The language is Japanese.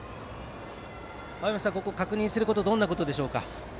青山さん、ここで確認することはどんなことでしょうか？